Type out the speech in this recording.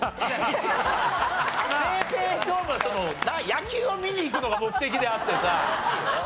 ＰａｙＰａｙドームは野球を見に行くのが目的であってさ。